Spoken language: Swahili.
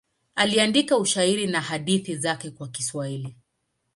Aliandika ushairi na hadithi zake kwa Kiswahili.